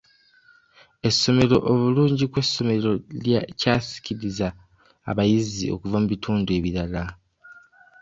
Essomero obulungi kw'essomero kyasikiriza abayizi okuvu mu bitundu ebirala.